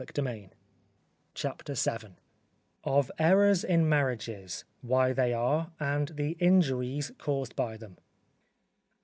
CHAPTER VII _Of Errors in Marriages; Why they are, and the Injuries caused by them.